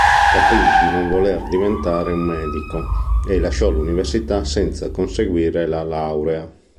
Capì di non voler diventare un medico e lasciò l'università senza conseguire la laurea.